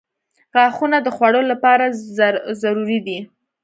• غاښونه د خوړلو لپاره ضروري دي.